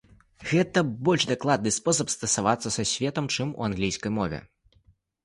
Гэта больш дакладны спосаб стасавацца са светам, чым у англійскай мове.